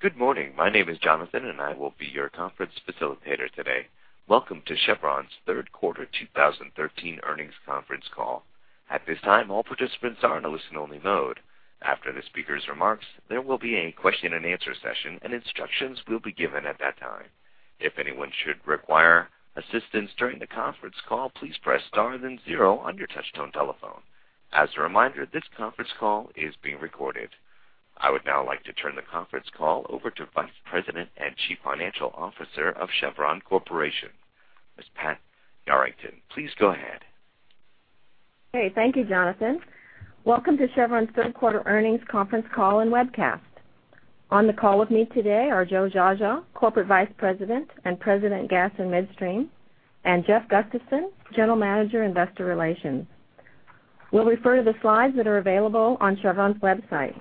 Good morning. My name is Jonathan, I will be your conference facilitator today. Welcome to Chevron's third quarter 2013 earnings conference call. At this time, all participants are in a listen-only mode. After the speaker's remarks, there will be a question and answer session. Instructions will be given at that time. If anyone should require assistance during the conference call, please press star then zero on your touch-tone telephone. As a reminder, this conference call is being recorded. I would now like to turn the conference call over to Vice President and Chief Financial Officer of Chevron Corporation, Ms. Pat Yarrington. Please go ahead. Thank you, Jonathan. Welcome to Chevron's third quarter earnings conference call and webcast. On the call with me today are Joe Geagea, Corporate Vice President and President, Gas and Midstream, and Jeff Gustavson, General Manager, Investor Relations. We'll refer to the slides that are available on Chevron's website.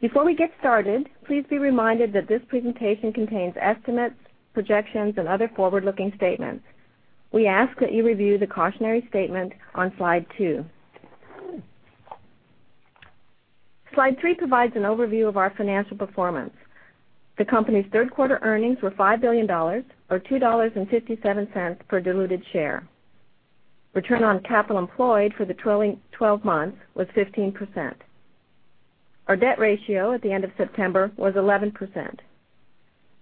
Before we get started, please be reminded that this presentation contains estimates, projections, and other forward-looking statements. We ask that you review the cautionary statement on Slide 2. Slide 3 provides an overview of our financial performance. The company's third-quarter earnings were $5 billion, or $2.57 per diluted share. Return on capital employed for the trailing 12 months was 15%. Our debt ratio at the end of September was 11%.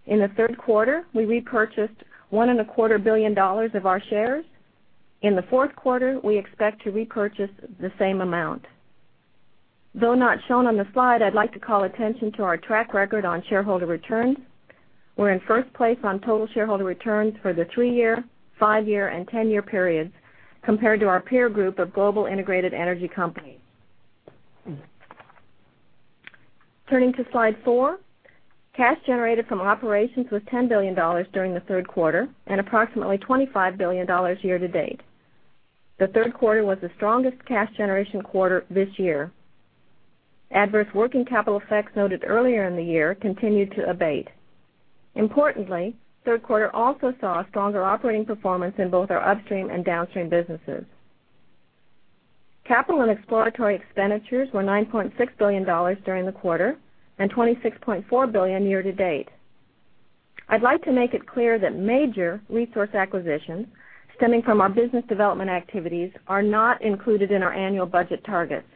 In the third quarter, we repurchased $1.25 billion of our shares. In the fourth quarter, we expect to repurchase the same amount. Though not shown on the slide, I'd like to call attention to our track record on shareholder returns. We're in first place on total shareholder returns for the three-year, five-year, and 10-year periods compared to our peer group of global integrated energy companies. Turning to Slide 4, cash generated from operations was $10 billion during the third quarter and approximately $25 billion year-to-date. The third quarter was the strongest cash generation quarter this year. Adverse working capital effects noted earlier in the year continued to abate. Importantly, third quarter also saw a stronger operating performance in both our upstream and downstream businesses. Capital and exploratory expenditures were $9.6 billion during the quarter and $26.4 billion year-to-date. I'd like to make it clear that major resource acquisitions stemming from our business development activities are not included in our annual budget targets.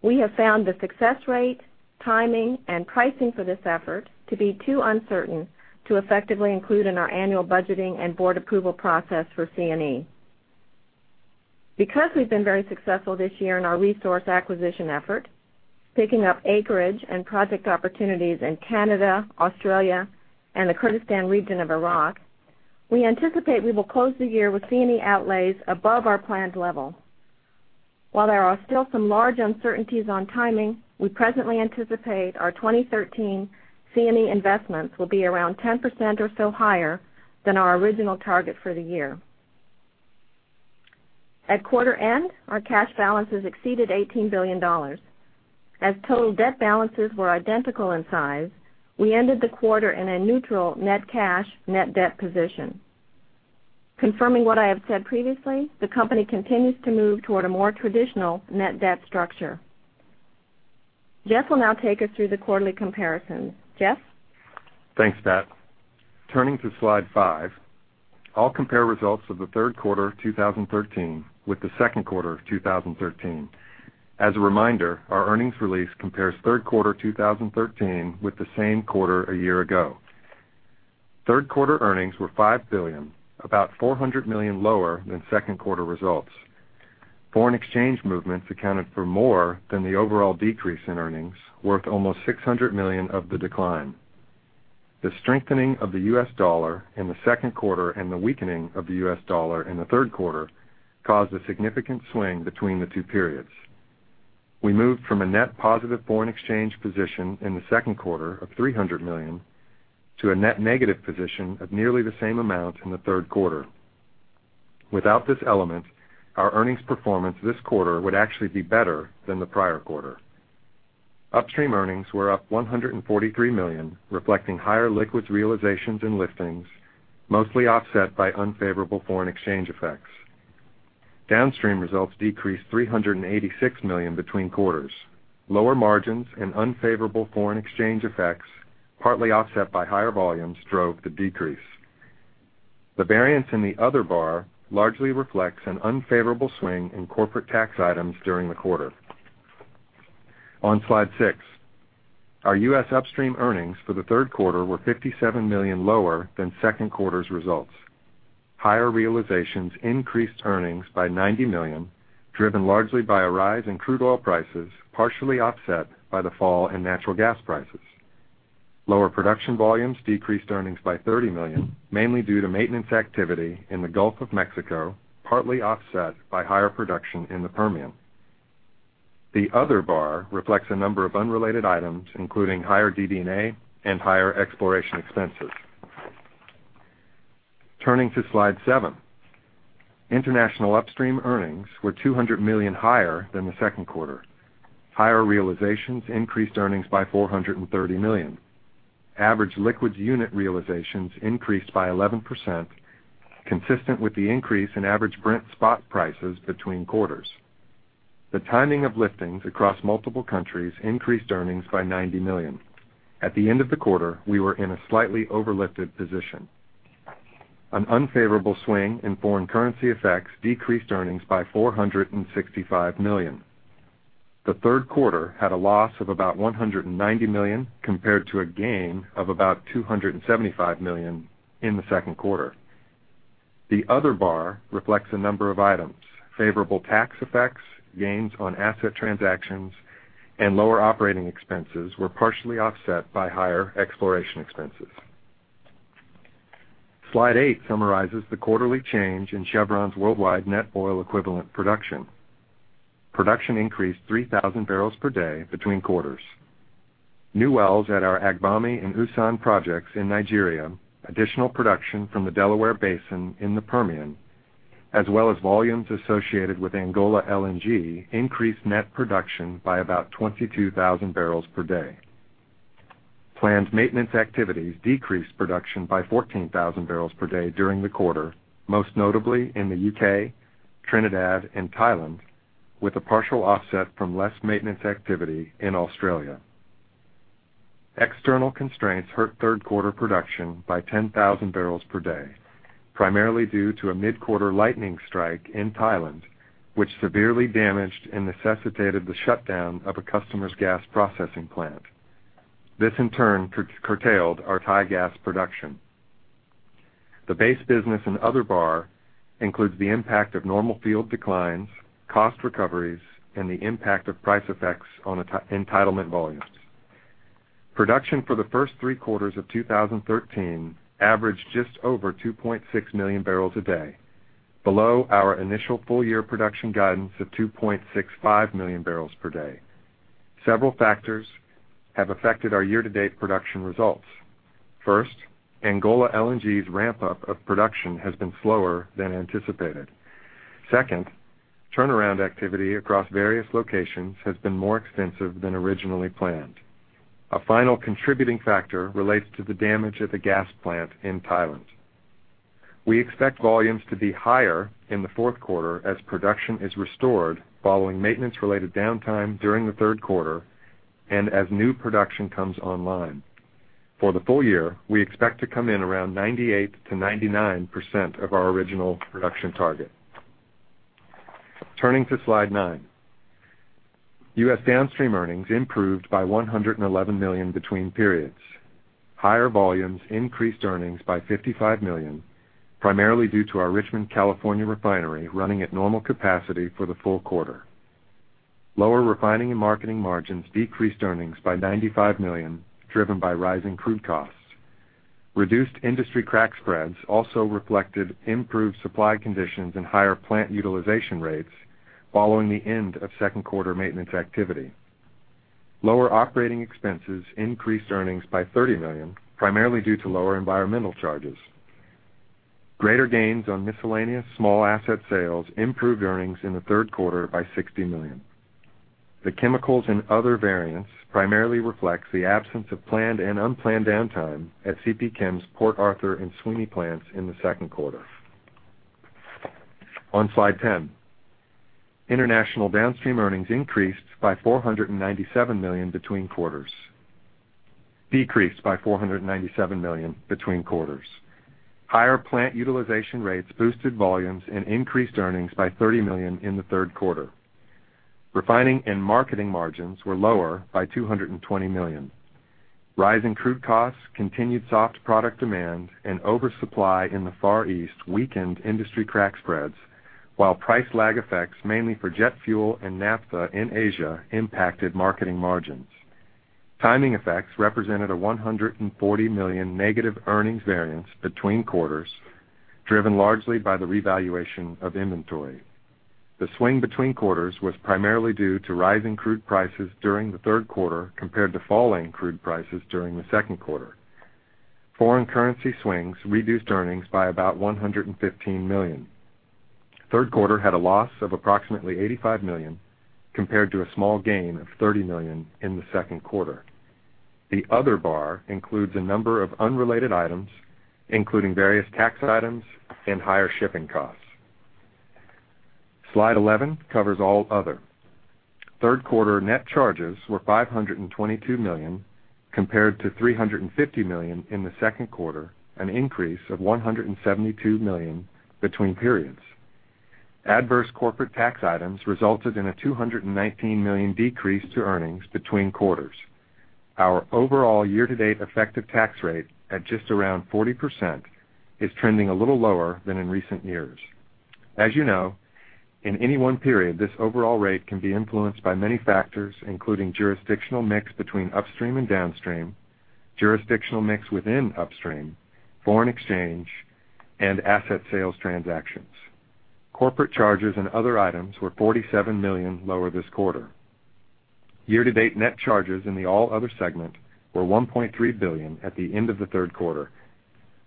We have found the success rate, timing, and pricing for this effort to be too uncertain to effectively include in our annual budgeting and board approval process for C&E. We've been very successful this year in our resource acquisition effort, picking up acreage and project opportunities in Canada, Australia, and the Kurdistan region of Iraq. We anticipate we will close the year with C&E outlays above our planned level. There are still some large uncertainties on timing. We presently anticipate our 2013 C&E investments will be around 10% or so higher than our original target for the year. At quarter end, our cash balances exceeded $18 billion. Total debt balances were identical in size. We ended the quarter in a neutral net cash, net debt position. Confirming what I have said previously, the company continues to move toward a more traditional net debt structure. Jeff will now take us through the quarterly comparison. Jeff? Thanks, Pat. Turning to Slide 5, I'll compare results of the third quarter 2013 with the second quarter of 2013. As a reminder, our earnings release compares third quarter 2013 with the same quarter a year ago. Third quarter earnings were $5 billion, about $400 million lower than second quarter results. Foreign exchange movements accounted for more than the overall decrease in earnings, worth almost $600 million of the decline. The strengthening of the U.S. dollar in the second quarter and the weakening of the U.S. dollar in the third quarter caused a significant swing between the two periods. We moved from a net positive foreign exchange position in the second quarter of $300 million to a net negative position of nearly the same amount in the third quarter. Without this element, our earnings performance this quarter would actually be better than the prior quarter. Upstream earnings were up $143 million, reflecting higher liquids realizations and liftings, mostly offset by unfavorable foreign exchange effects. Downstream results decreased $386 million between quarters. Lower margins and unfavorable foreign exchange effects, partly offset by higher volumes, drove the decrease. The variance in the other bar largely reflects an unfavorable swing in corporate tax items during the quarter. On Slide 6, our U.S. upstream earnings for the third quarter were $57 million lower than second quarter's results. Higher realizations increased earnings by $90 million, driven largely by a rise in crude oil prices, partially offset by the fall in natural gas prices. Lower production volumes decreased earnings by $30 million, mainly due to maintenance activity in the Gulf of Mexico, partly offset by higher production in the Permian. The other bar reflects a number of unrelated items, including higher DD&A and higher exploration expenses. Turning to Slide 7. International upstream earnings were $200 million higher than the second quarter. Higher realizations increased earnings by $430 million. Average liquids unit realizations increased by 11%, consistent with the increase in average Brent spot prices between quarters. The timing of liftings across multiple countries increased earnings by $90 million. At the end of the quarter, we were in a slightly overlifted position. An unfavorable swing in foreign currency effects decreased earnings by $465 million. The third quarter had a loss of about $190 million compared to a gain of about $275 million in the second quarter. The other bar reflects a number of items. Favorable tax effects, gains on asset transactions, and lower operating expenses were partially offset by higher exploration expenses. Slide eight summarizes the quarterly change in Chevron's worldwide net oil equivalent production. Production increased 3,000 barrels per day between quarters. New wells at our Agbami and Usan projects in Nigeria, additional production from the Delaware Basin in the Permian, as well as volumes associated with Angola LNG increased net production by about 22,000 barrels per day. Planned maintenance activities decreased production by 14,000 barrels per day during the quarter, most notably in the U.K., Trinidad, and Thailand, with a partial offset from less maintenance activity in Australia. External constraints hurt third-quarter production by 10,000 barrels per day, primarily due to a mid-quarter lightning strike in Thailand, which severely damaged and necessitated the shutdown of a customer's gas processing plant. This, in turn, curtailed our Thai gas production. The base business and other bar includes the impact of normal field declines, cost recoveries, and the impact of price effects on entitlement volumes. Production for the first three quarters of 2013 averaged just over 2.6 million barrels a day, below our initial full-year production guidance of 2.65 million barrels per day. Several factors have affected our year-to-date production results. First, Angola LNG's ramp-up of production has been slower than anticipated. Second, turnaround activity across various locations has been more extensive than originally planned. A final contributing factor relates to the damage at the gas plant in Thailand. We expect volumes to be higher in the fourth quarter as production is restored following maintenance-related downtime during the third quarter and as new production comes online. For the full year, we expect to come in around 98%-99% of our original production target. Turning to slide nine. U.S. downstream earnings improved by $111 million between periods. Higher volumes increased earnings by $55 million, primarily due to our Richmond, California refinery running at normal capacity for the full quarter. Lower refining and marketing margins decreased earnings by $95 million, driven by rising crude costs. Reduced industry crack spreads also reflected improved supply conditions and higher plant utilization rates following the end of second-quarter maintenance activity. Lower operating expenses increased earnings by $30 million, primarily due to lower environmental charges. Greater gains on miscellaneous small asset sales improved earnings in the third quarter by $60 million. The chemicals and other variants primarily reflects the absence of planned and unplanned downtime at CP Chem's Port Arthur and Sweeny plants in the second quarter. On slide 10, international downstream earnings decreased by $497 million between quarters. Higher plant utilization rates boosted volumes and increased earnings by $30 million in the third quarter. Refining and marketing margins were lower by $220 million. Rising crude costs, continued soft product demand, and oversupply in the Far East weakened industry crack spreads, while price lag effects, mainly for jet fuel and naphtha in Asia, impacted marketing margins. Timing effects represented a $140 million negative earnings variance between quarters, driven largely by the revaluation of inventory. The swing between quarters was primarily due to rising crude prices during the third quarter compared to falling crude prices during the second quarter. Foreign currency swings reduced earnings by about $115 million. Third quarter had a loss of approximately $85 million compared to a small gain of $30 million in the second quarter. The other bar includes a number of unrelated items, including various tax items and higher shipping costs. Slide 11 covers all other. Third quarter net charges were $522 million compared to $350 million in the second quarter, an increase of $172 million between periods. Adverse corporate tax items resulted in a $219 million decrease to earnings between quarters. Our overall year-to-date effective tax rate, at just around 40%, is trending a little lower than in recent years. As you know, in any one period, this overall rate can be influenced by many factors, including jurisdictional mix between upstream and downstream, jurisdictional mix within upstream, foreign exchange, and asset sales transactions. Corporate charges and other items were $47 million lower this quarter. Year-to-date net charges in the all other segment were $1.3 billion at the end of the third quarter.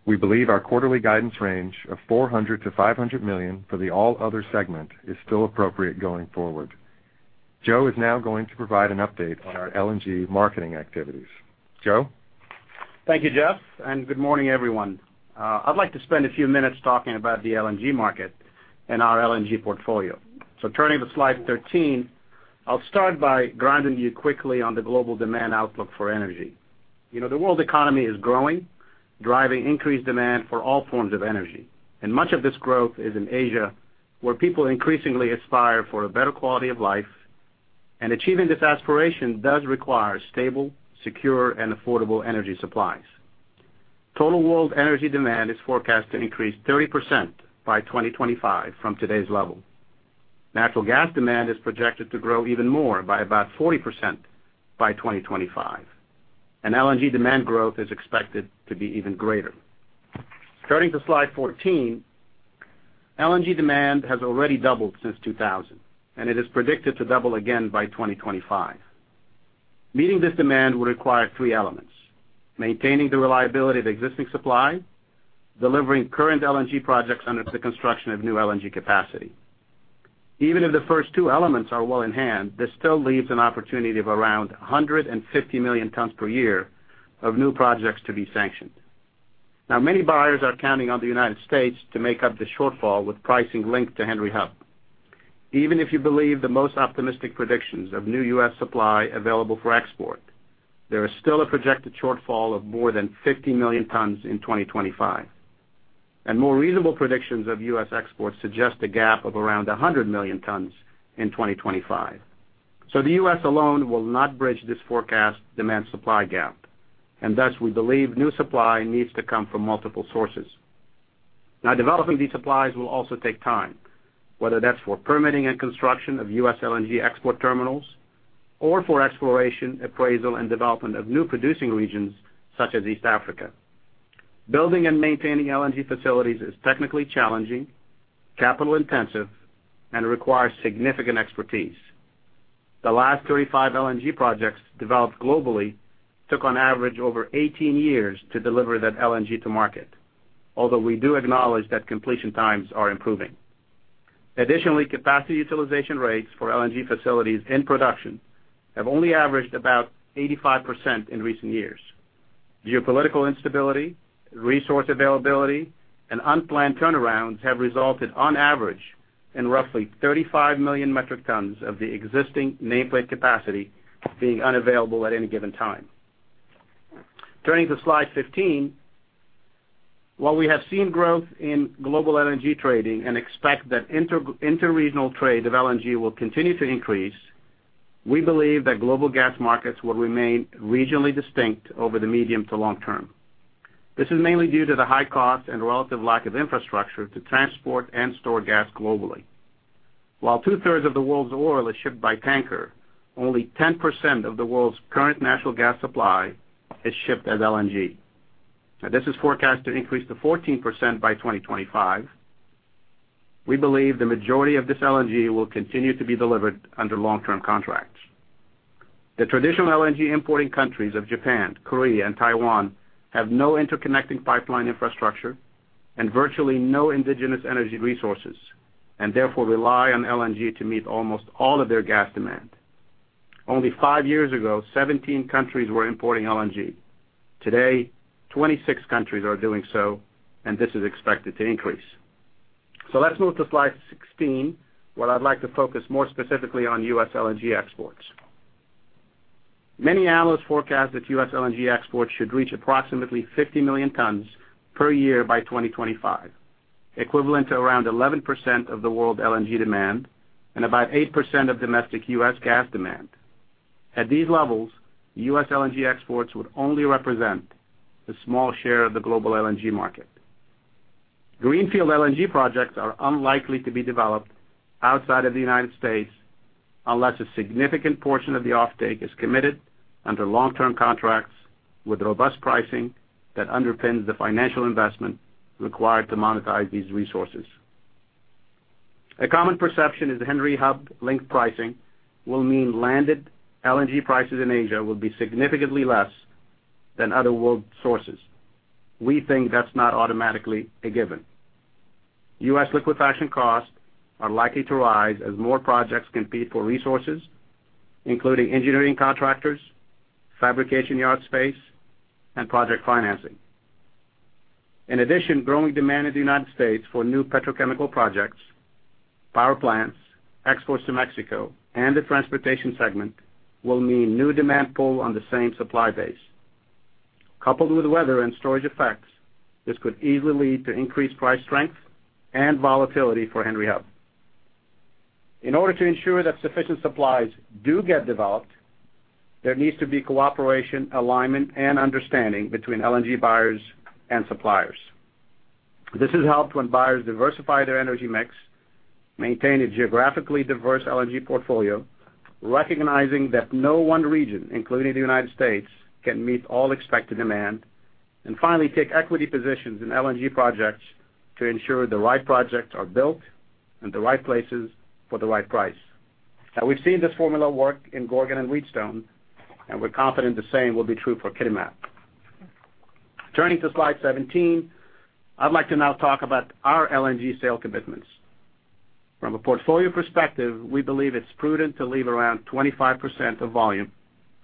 We believe our quarterly guidance range of $400 million-$500 million for the all other segment is still appropriate going forward. Joe is now going to provide an update on our LNG marketing activities. Joe? Thank you, Jeff, and good morning, everyone. I'd like to spend a few minutes talking about the LNG market and our LNG portfolio. Turning to slide 13, I'll start by grounding you quickly on the global demand outlook for energy. The world economy is growing, driving increased demand for all forms of energy. Much of this growth is in Asia, where people increasingly aspire for a better quality of life. Achieving this aspiration does require stable, secure, and affordable energy supplies. Total world energy demand is forecast to increase 30% by 2025 from today's level. Natural gas demand is projected to grow even more, by about 40% by 2025, and LNG demand growth is expected to be even greater. Turning to slide 14, LNG demand has already doubled since 2000, and it is predicted to double again by 2025. Meeting this demand will require three elements: maintaining the reliability of existing supply, delivering current LNG projects under the construction of new LNG capacity. Even if the first two elements are well in hand, this still leaves an opportunity of around 150 million tons per year of new projects to be sanctioned. Now, many buyers are counting on the U.S. to make up the shortfall with pricing linked to Henry Hub. Even if you believe the most optimistic predictions of new U.S. supply available for export, there is still a projected shortfall of more than 50 million tons in 2025. More reasonable predictions of U.S. exports suggest a gap of around 100 million tons in 2025. The U.S. alone will not bridge this forecast demand-supply gap, and thus, we believe new supply needs to come from multiple sources. Developing these supplies will also take time, whether that's for permitting and construction of U.S. LNG export terminals or for exploration, appraisal, and development of new producing regions such as East Africa. Building and maintaining LNG facilities is technically challenging, capital intensive, and requires significant expertise. The last 35 LNG projects developed globally took on average over 18 years to deliver that LNG to market. Although we do acknowledge that completion times are improving. Additionally, capacity utilization rates for LNG facilities in production have only averaged about 85% in recent years. Geopolitical instability, resource availability, and unplanned turnarounds have resulted, on average, in roughly 35 million metric tons of the existing nameplate capacity being unavailable at any given time. Turning to slide 15. We have seen growth in global LNG trading and expect that interregional trade of LNG will continue to increase, we believe that global gas markets will remain regionally distinct over the medium to long term. This is mainly due to the high cost and relative lack of infrastructure to transport and store gas globally. While two-thirds of the world's oil is shipped by tanker, only 10% of the world's current natural gas supply is shipped as LNG. This is forecast to increase to 14% by 2025. We believe the majority of this LNG will continue to be delivered under long-term contracts. The traditional LNG importing countries of Japan, Korea, and Taiwan have no interconnecting pipeline infrastructure and virtually no indigenous energy resources, and therefore rely on LNG to meet almost all of their gas demand. Only five years ago, 17 countries were importing LNG. Today, 26 countries are doing so, this is expected to increase. Let's move to slide 16, where I'd like to focus more specifically on U.S. LNG exports. Many analysts forecast that U.S. LNG exports should reach approximately 50 million tons per year by 2025, equivalent to around 11% of the world LNG demand and about 8% of domestic U.S. gas demand. At these levels, U.S. LNG exports would only represent a small share of the global LNG market. Greenfield LNG projects are unlikely to be developed outside of the United States unless a significant portion of the offtake is committed under long-term contracts with robust pricing that underpins the financial investment required to monetize these resources. A common perception is Henry Hub link pricing will mean landed LNG prices in Asia will be significantly less than other world sources. We think that's not automatically a given. U.S. liquefaction costs are likely to rise as more projects compete for resources, including engineering contractors, fabrication yard space, and project financing. In addition, growing demand in the United States for new petrochemical projects, power plants, exports to Mexico, and the transportation segment will mean new demand pull on the same supply base. Coupled with weather and storage effects, this could easily lead to increased price strength and volatility for Henry Hub. In order to ensure that sufficient supplies do get developed, there needs to be cooperation, alignment, and understanding between LNG buyers and suppliers. This is helped when buyers diversify their energy mix, maintain a geographically diverse LNG portfolio, recognizing that no one region, including the United States, can meet all expected demand, finally, take equity positions in LNG projects to ensure the right projects are built in the right places for the right price. We've seen this formula work in Gorgon and Wheatstone, and we're confident the same will be true for Kitimat. Turning to slide 17, I'd like to now talk about our LNG sale commitments. From a portfolio perspective, we believe it's prudent to leave around 25% of volume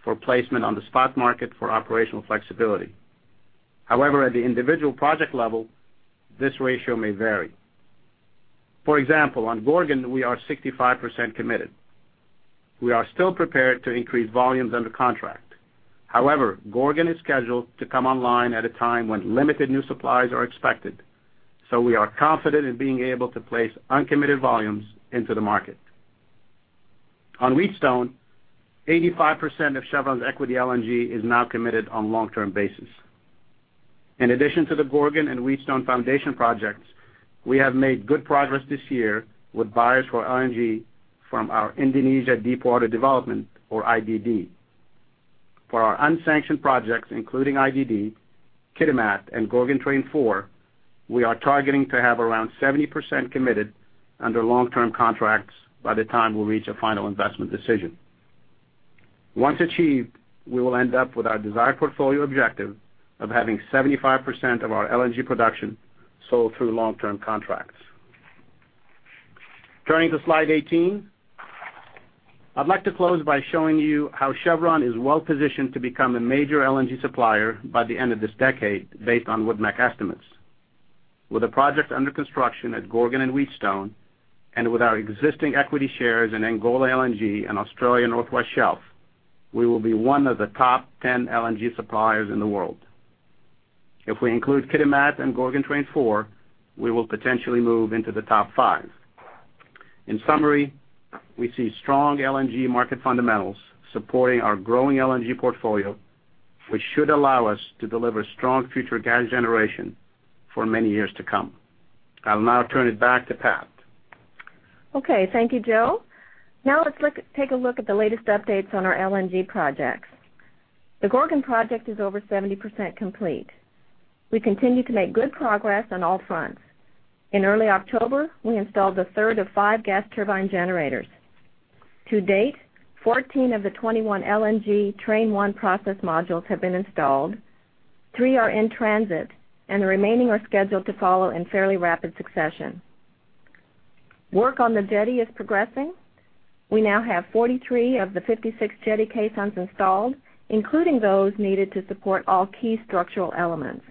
for placement on the spot market for operational flexibility. However, at the individual project level, this ratio may vary. For example, on Gorgon, we are 65% committed. We are still prepared to increase volumes under contract. However, Gorgon is scheduled to come online at a time when limited new supplies are expected. We are confident in being able to place uncommitted volumes into the market. On Wheatstone, 85% of Chevron's equity LNG is now committed on long-term basis. In addition to the Gorgon and Wheatstone foundation projects, we have made good progress this year with buyers for LNG from our Indonesia Deepwater Development or IDD. For our unsanctioned projects, including IDD, Kitimat and Gorgon Train 4, we are targeting to have around 70% committed under long-term contracts by the time we'll reach a final investment decision. Once achieved, we will end up with our desired portfolio objective of having 75% of our LNG production sold through long-term contracts. Turning to slide 18. I'd like to close by showing you how Chevron is well positioned to become a major LNG supplier by the end of this decade, based on WoodMac estimates. With the projects under construction at Gorgon and Wheatstone, and with our existing equity shares in Angola LNG and Australia North West Shelf, we will be one of the top 10 LNG suppliers in the world. If we include Kitimat and Gorgon Train 4, we will potentially move into the top five. In summary, we see strong LNG market fundamentals supporting our growing LNG portfolio, which should allow us to deliver strong future gas generation for many years to come. I'll now turn it back to Pat. Okay. Thank you, Joe. Let's take a look at the latest updates on our LNG projects. The Gorgon project is over 70% complete. We continue to make good progress on all fronts. In early October, we installed the third of five gas turbine generators. To date, 14 of the 21 LNG Train 1 process modules have been installed, three are in transit, the remaining are scheduled to follow in fairly rapid succession. Work on the jetty is progressing. We now have 43 of the 56 jetty caissons installed, including those needed to support all key structural elements.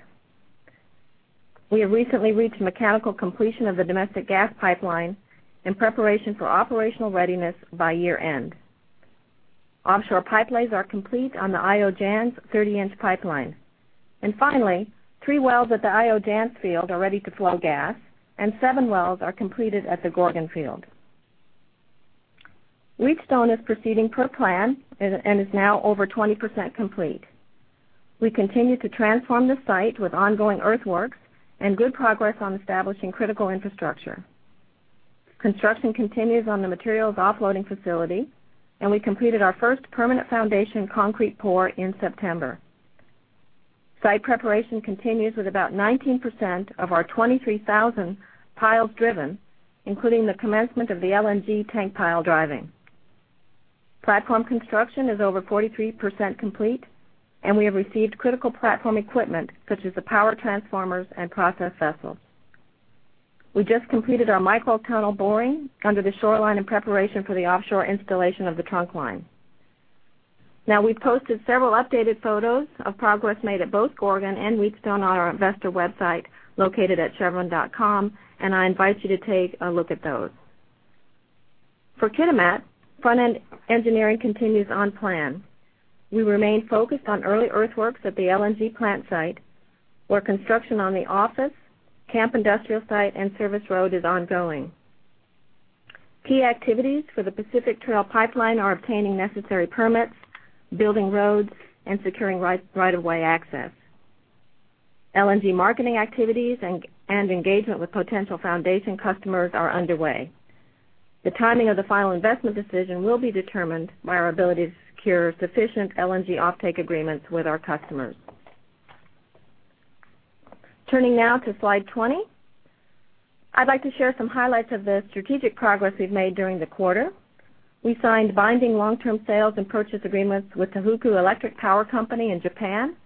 We have recently reached mechanical completion of the domestic gas pipeline in preparation for operational readiness by year-end. Offshore pipe lays are complete on the Jansz-Io 30-inch pipeline. Finally, three wells at the Jansz-Io field are ready to flow gas, and seven wells are completed at the Gorgon field. Wheatstone is proceeding per plan and is now over 20% complete. We continue to transform the site with ongoing earthworks and good progress on establishing critical infrastructure. Construction continues on the materials offloading facility, and we completed our first permanent foundation concrete pour in September. Site preparation continues with about 19% of our 23,000 piles driven, including the commencement of the LNG tank pile driving. Platform construction is over 43% complete, and we have received critical platform equipment such as the power transformers and process vessels. We just completed our micro tunnel boring under the shoreline in preparation for the offshore installation of the trunk line. We've posted several updated photos of progress made at both Gorgon and Wheatstone on our investor website, located at Chevron.com, and I invite you to take a look at those. For Kitimat, front-end engineering continues on plan. We remain focused on early earthworks at the LNG plant site, where construction on the office, camp industrial site, and service road is ongoing. Key activities for the Pacific Trail Pipeline are obtaining necessary permits, building roads, and securing right-of-way access. LNG marketing activities and engagement with potential foundation customers are underway. The timing of the final investment decision will be determined by our ability to secure sufficient LNG offtake agreements with our customers. Turning now to slide 20. I'd like to share some highlights of the strategic progress we've made during the quarter. We signed binding long-term sales and purchase agreements with Tohoku Electric Power Co., Inc. in Japan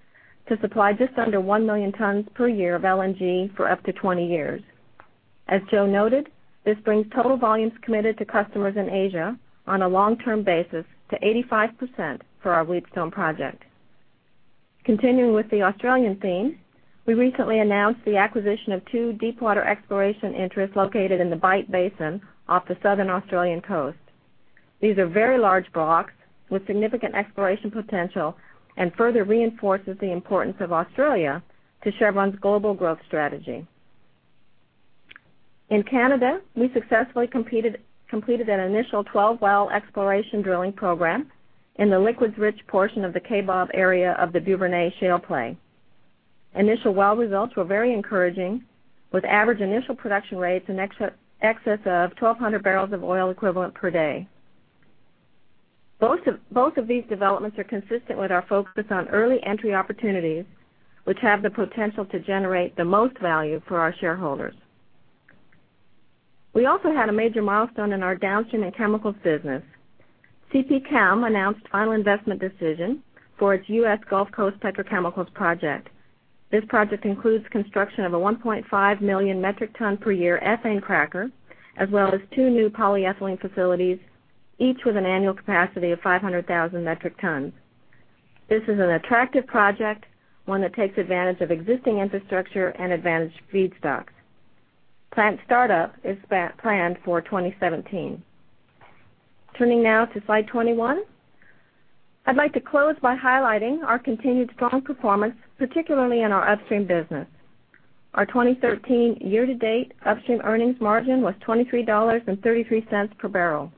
to supply just under 1 million tons per year of LNG for up to 20 years. As Joe noted, this brings total volumes committed to customers in Asia on a long-term basis to 85% for our Wheatstone project. Continuing with the Australian theme, we recently announced the acquisition of two deep water exploration interests located in the Bight Basin off the southern Australian coast. These are very large blocks with significant exploration potential and further reinforces the importance of Australia to Chevron's global growth strategy. In Canada, we successfully completed an initial 12-well exploration drilling program in the liquids-rich portion of the Kaybob area of the Duvernay Shale Play. Initial well results were very encouraging, with average initial production rates in excess of 1,200 barrels of oil equivalent per day. Both of these developments are consistent with our focus on early entry opportunities, which have the potential to generate the most value for our shareholders. We also had a major milestone in our downstream and chemicals business. CP Chem announced final investment decision for its U.S. Gulf Coast petrochemicals project. This project includes construction of a 1.5 million metric ton per year ethane cracker, as well as two new polyethylene facilities, each with an annual capacity of 500,000 metric tons. This is an attractive project, one that takes advantage of existing infrastructure and advantaged feedstocks. Plant startup is planned for 2017. Turning now to slide 21. I'd like to close by highlighting our continued strong performance, particularly in our upstream business. Our 2013 year-to-date upstream earnings margin was $23.33 per barrel.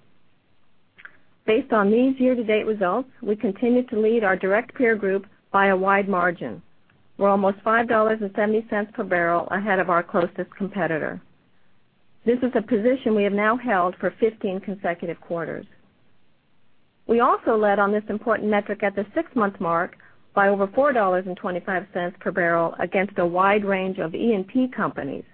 Based on these year-to-date results, we continue to lead our direct peer group by a wide margin. We're almost $5.70 per barrel ahead of our closest competitor. This is a position we have now held for 15 consecutive quarters. We also led on this important metric at the six-month mark by over $4.25 per barrel against a wide range of E&P companies.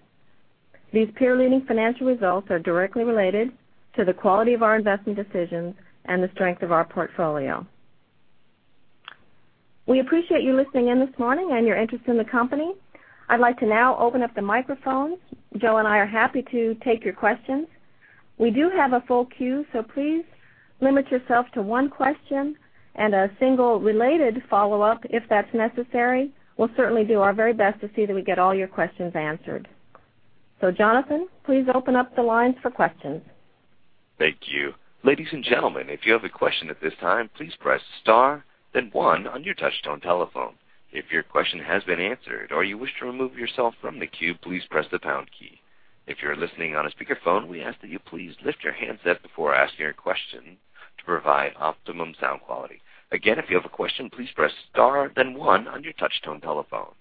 These peer-leading financial results are directly related to the quality of our investment decisions and the strength of our portfolio. We appreciate you listening in this morning and your interest in the company. I'd like to now open up the microphones. Joe and I are happy to take your questions. We do have a full queue, so please limit yourself to one question and a single related follow-up if that's necessary. We'll certainly do our very best to see that we get all your questions answered. Jonathan, please open up the lines for questions. Thank you. Ladies and gentlemen, if you have a question at this time, please press star, then one on your touch-tone telephone. If your question has been answered or you wish to remove yourself from the queue, please press the pound key. If you're listening on a speakerphone, we ask that you please lift your handset before asking your question to provide optimum sound quality. Again, if you have a question, please press star, then one on your touch-tone telephone.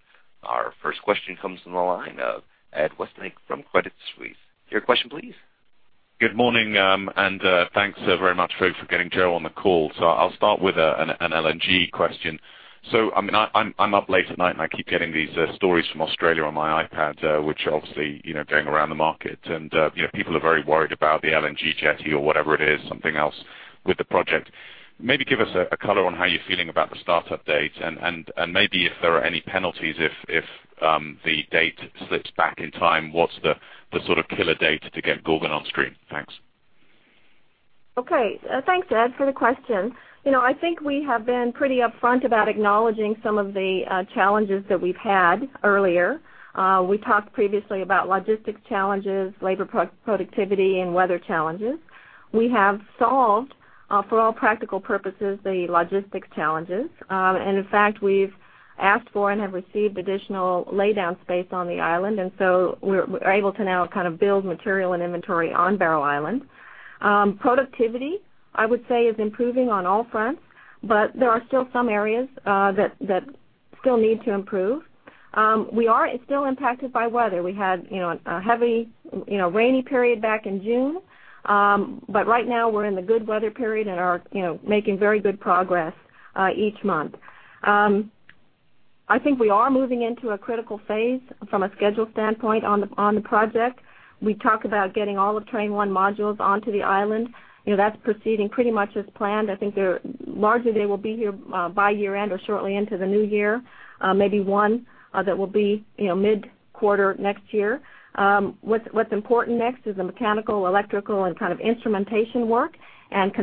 Our first question comes from the line of Ed Westlake from Credit Suisse. Your question please. Good morning, thanks very much, (Pat), for getting Joe on the call. I'll start with an LNG question. I'm up late at night, and I keep getting these stories from Australia on my iPad which are obviously going around the market. People are very worried about the LNG jetty or whatever it is, something else with the project. Maybe give us a color on how you're feeling about the startup date and maybe if there are any penalties if the date slips back in time, what's the sort of killer date to get Gorgon on stream? Thanks. Okay. Thanks, Ed, for the question. I think we have been pretty upfront about acknowledging some of the challenges that we've had earlier. We talked previously about logistics challenges, labor productivity, and weather challenges. We have solved, for all practical purposes, the logistics challenges. In fact, we've asked for and have received additional laydown space on the island, so we're able to now build material and inventory on Barrow Island. Productivity, I would say, is improving on all fronts, but there are still some areas that still need to improve. We are still impacted by weather. We had a heavy rainy period back in June. Right now we're in the good weather period and are making very good progress each month. I think we are moving into a critical phase from a schedule standpoint on the project. We talk about getting all of Train 1 modules onto the island. That's proceeding pretty much as planned. I think largely they will be here by year-end or shortly into the new year. Maybe one that will be mid-quarter next year. What's important next is the mechanical, electrical, and instrumentation work, and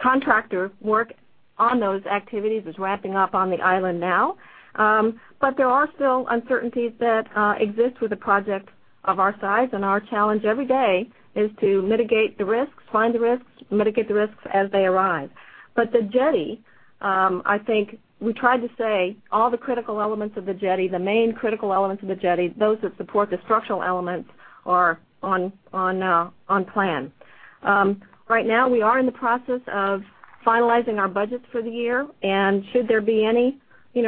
contractor work on those activities is ramping up on the island now. There are still uncertainties that exist with a project of our size, and our challenge every day is to find the risks, mitigate the risks as they arise. The jetty, I think we tried to say all the critical elements of the jetty, the main critical elements of the jetty, those that support the structural elements are on plan. Right now, we are in the process of finalizing our budgets for the year, and should there be any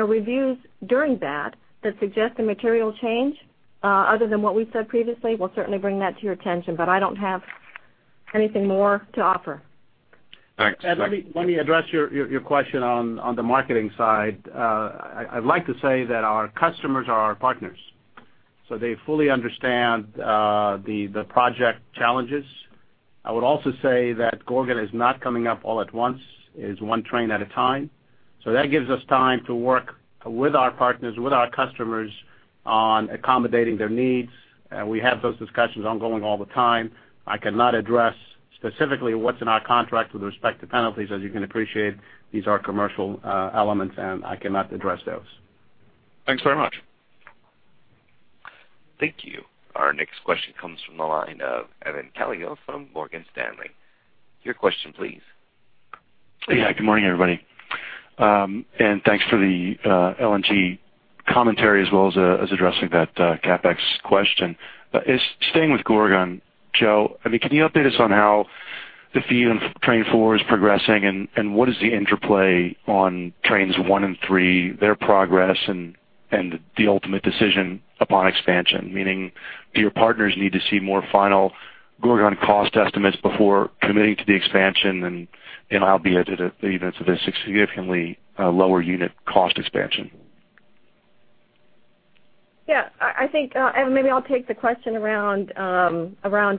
reviews during that suggest a material change other than what we've said previously, we'll certainly bring that to your attention. I don't have anything more to offer. Thanks. Ed, let me address your question on the marketing side. I'd like to say that our customers are our partners, so they fully understand the project challenges. I would also say that Gorgon is not coming up all at once. It is one train at a time. That gives us time to work with our partners, with our customers on accommodating their needs. We have those discussions ongoing all the time. I cannot address specifically what's in our contract with respect to penalties. As you can appreciate, these are commercial elements, and I cannot address those. Thanks very much. Thank you. Our next question comes from the line of Evan Calio from Morgan Stanley. Your question please. Yeah. Good morning, everybody. Thanks for the LNG commentary as well as addressing that CapEx question. Staying with Gorgon, Joe, can you update us on how the feed in Train 4 is progressing, and what is the interplay on Trains 1 and 3, their progress, and the ultimate decision upon expansion? Meaning, do your partners need to see more final Gorgon cost estimates before committing to the expansion, and albeit if it's a significantly lower unit cost expansion. Yeah. Maybe I'll take the question around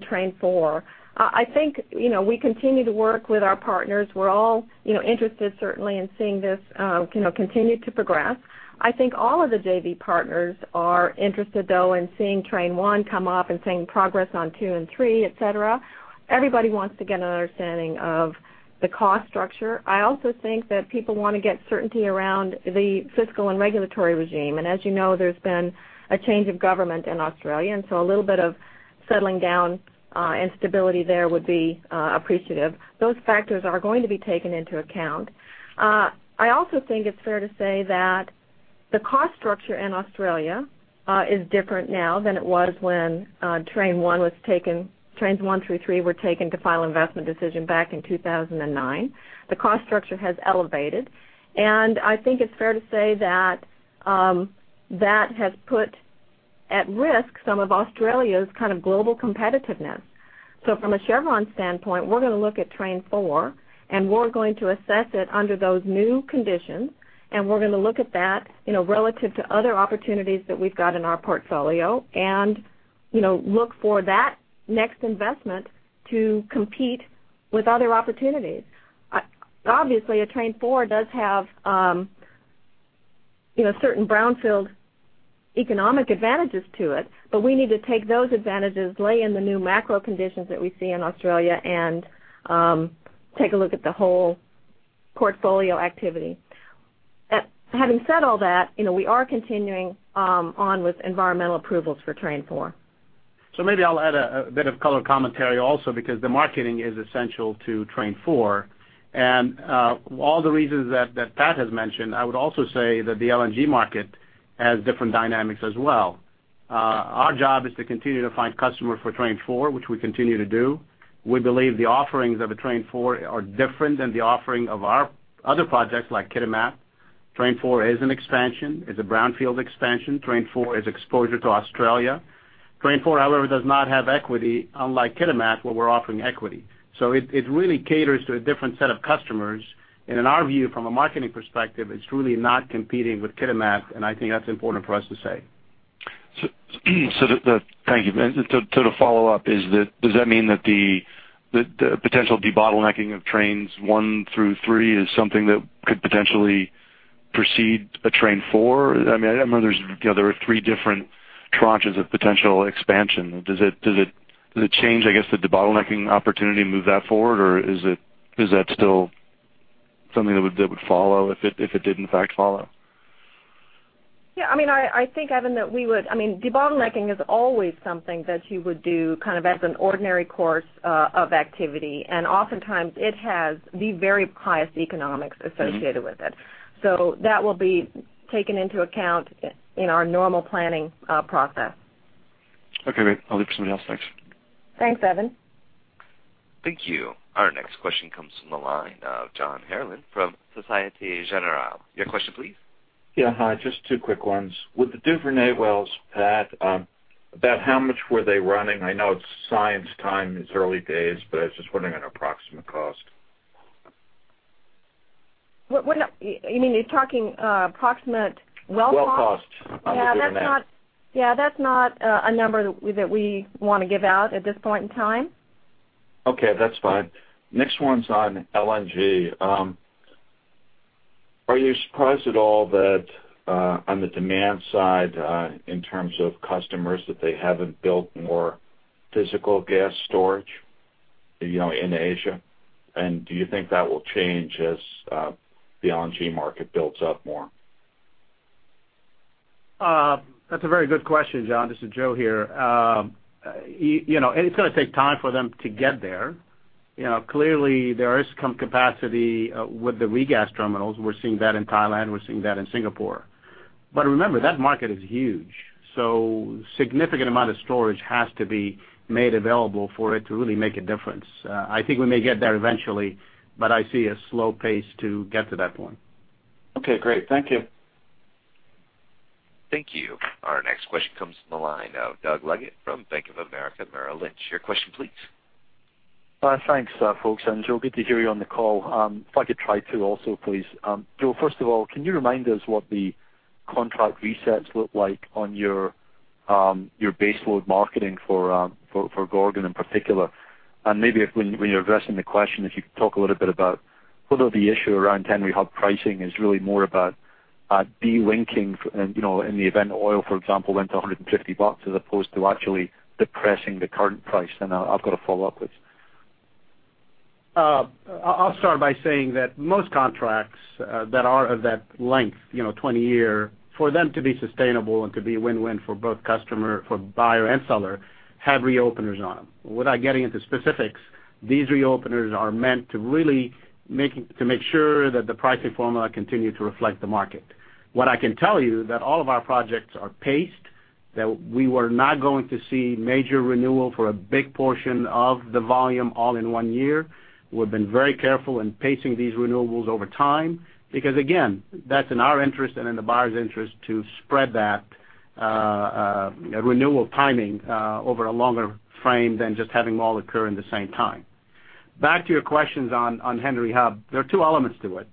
Train 4. I think we continue to work with our partners. We're all interested certainly in seeing this continue to progress. I think all of the JV partners are interested, though, in seeing Train 1 come up and seeing progress on 2 and 3, et cetera. Everybody wants to get an understanding of the cost structure. I also think that people want to get certainty around the fiscal and regulatory regime. As you know, there's been a change of government in Australia, a little bit of settling down and stability there would be appreciative. Those factors are going to be taken into account. I also think it's fair to say that the cost structure in Australia is different now than it was when Trains 1 through 3 were taken to final investment decision back in 2009. The cost structure has elevated, I think it's fair to say that has put at risk some of Australia's global competitiveness. From a Chevron standpoint, we're going to look at Train 4, we're going to assess it under those new conditions, we're going to look at that relative to other opportunities that we've got in our portfolio and look for that next investment to compete with other opportunities. Obviously, a Train 4 does have certain brownfield economic advantages to it. We need to take those advantages, lay in the new macro conditions that we see in Australia, take a look at the whole portfolio activity. Having said all that, we are continuing on with environmental approvals for Train 4. Maybe I'll add a bit of color commentary also because the marketing is essential to Train 4, all the reasons that Pat has mentioned, I would also say that the LNG market has different dynamics as well. Our job is to continue to find customers for Train 4, which we continue to do. We believe the offerings of a Train 4 are different than the offering of our other projects like Kitimat. Train 4 is an expansion. It's a brownfield expansion. Train 4 is exposure to Australia. Train 4, however, does not have equity unlike Kitimat where we're offering equity. It really caters to a different set of customers. In our view, from a marketing perspective, it's truly not competing with Kitimat, and I think that's important for us to say. Thank you. To follow up, does that mean that the potential debottlenecking of Trains 1 through 3 is something that could potentially precede a Train 4? I mean, I know there are three different tranches of potential expansion. Does it change, I guess, the debottlenecking opportunity to move that forward, or is that still something that would follow if it did in fact follow? Yeah. I think, Evan, debottlenecking is always something that you would do as an ordinary course of activity, oftentimes it has the very highest economics associated with it. That will be taken into account in our normal planning process. Okay, great. I'll leave it for somebody else. Thanks. Thanks, Evan. Thank you. Our next question comes from the line of John Herrlin from Societe Generale. Your question please? Yeah. Hi. Just two quick ones. With the Duvernay wells, Pat, about how much were they running? I know it's science time, it's early days, but I was just wondering an approximate cost. You mean you're talking approximate well cost? Well cost on the Duvernay. Yeah, that's not a number that we want to give out at this point in time. Okay, that's fine. Next one's on LNG. Are you surprised at all that on the demand side in terms of customers that they haven't built more physical gas storage in Asia? Do you think that will change as the LNG market builds up more? That's a very good question, John. This is Joe here. It's going to take time for them to get there. Clearly there is some capacity with the regas terminals. We're seeing that in Thailand, we're seeing that in Singapore. Remember, that market is huge. Significant amount of storage has to be made available for it to really make a difference. I think we may get there eventually, but I see a slow pace to get to that point. Okay, great. Thank you. Thank you. Our next question comes from the line of Doug Leggate from Bank of America Merrill Lynch. Your question please? Thanks folks. Joe, good to hear you on the call. If I could try two also please. Joe, first of all, can you remind us what the contract resets look like on your baseload marketing for Gorgon in particular? Maybe when you're addressing the question, if you could talk a little bit about whether the issue around Henry Hub pricing is really more about de-linking in the event oil, for example, went to $150 as opposed to actually depressing the current price. I've got a follow-up, please. I'll start by saying that most contracts that are of that length, 20-year, for them to be sustainable and to be a win-win for both customer, for buyer and seller, have reopeners on them. Without getting into specifics, these reopeners are meant to really make sure that the pricing formula continue to reflect the market. What I can tell that all of our projects are paced, that we were not going to see major renewal for a big portion of the volume all in one year. We've been very careful in pacing these renewables over time because again, that's in our interest and in the buyer's interest to spread that renewal timing over a longer frame than just having them all occur in the same time. Back to your questions on Henry Hub. There are two elements to it.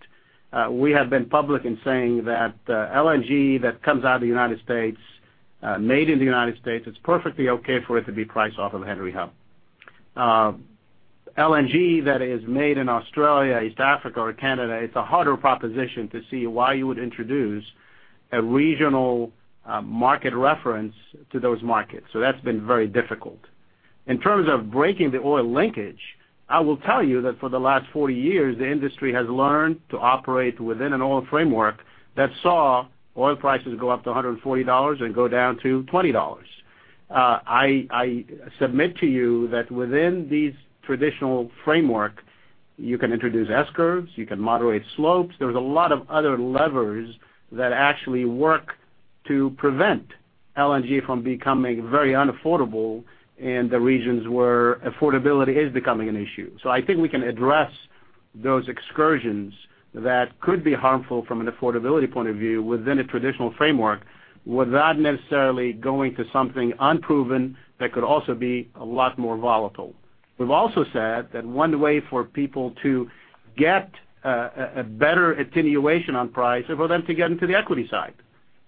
We have been public in saying that LNG that comes out of the U.S., made in the U.S., it's perfectly okay for it to be priced off of Henry Hub. LNG that is made in Australia, East Africa, or Canada, it's a harder proposition to see why you would introduce a regional market reference to those markets. That's been very difficult. In terms of breaking the oil linkage, I will tell you that for the last 40 years, the industry has learned to operate within an oil framework that saw oil prices go up to $140 and go down to $20. I submit to you that within these traditional framework, you can introduce S-curves, you can moderate slopes. There's a lot of other levers that actually work to prevent LNG from becoming very unaffordable in the regions where affordability is becoming an issue. I think we can address those excursions that could be harmful from an affordability point of view within a traditional framework without necessarily going to something unproven that could also be a lot more volatile. We've also said that one way for people to get a better attenuation on price is for them to get into the equity side.